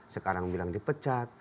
sekarang bilang dipecat